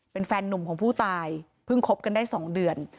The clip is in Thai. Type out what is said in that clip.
เป็นแฟนนุ่มของผู้ตายเพิ่งคบกันได้๒เดือน